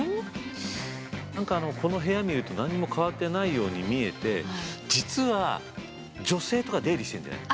何かこの部屋見ると何にも変わってないように見えて実は女性とか出入りしてんじゃない？